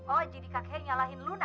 oh jadi kakek nyalahin luna